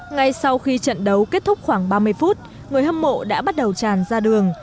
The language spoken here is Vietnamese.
ngay sau khi trận đấu kết thúc khoảng ba mươi phút người hâm mộ đã bắt đầu tràn ra đường